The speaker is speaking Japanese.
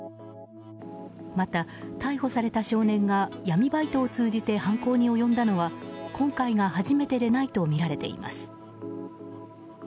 また、逮捕された少年が闇バイトを通じて犯行に及んだのは今回が初めてでないとみられています。